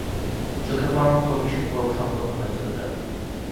চোখে পড়ার মতো অভিষেক পর্ব সম্পন্ন হয়েছিল তার।